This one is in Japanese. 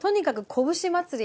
「こぶし祭り」。